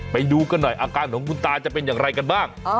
ไปดูกันหน่อยอาการของคุณตาจะเป็นอย่างไรกันบ้าง